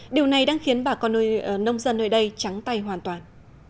điều này đang khiến bà con nông dân nơi đây trắng tay hoàn toàn